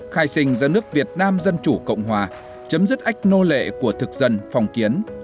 khai sinh ra nước việt nam dân chủ cộng hòa chấm dứt ách nô lệ của thực dân phong kiến